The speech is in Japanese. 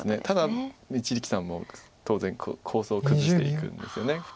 ただ一力さんも当然構想を崩していくんですよね。